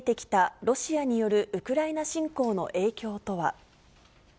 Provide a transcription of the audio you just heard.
現地を取材して見えてきた、ロシアによるウクライナ侵攻の影響とは。